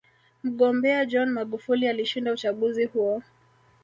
mgombea john magufuli alishinda uchaguzi huo